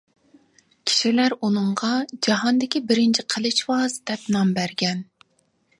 كىشىلەر ئۇنىڭغا «جاھاندىكى بىرىنچى قىلىچۋاز» دەپ نام بەرگەن.